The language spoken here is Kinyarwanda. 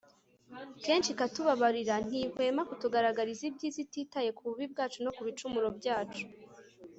kenshi ikatubabarira. ntihwema kutugabira ibyiza ititaye ku bubi bwacu no ku bicumuro byacu